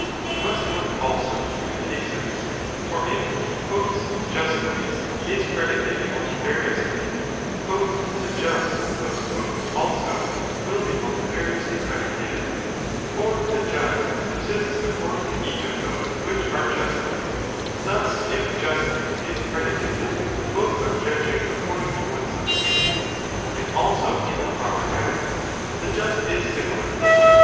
. Gaeta: We must look also to the cases, for if " justly" ther there is [185 predicated multifariously, "the just" also, will any ambiguity be multifariously predicated ; for the just subsists ἡ aeeording to each of those which are justly, thus if justly is predicated, both of judging according to one's own opinions, and also in a proper manner, the just is similarly.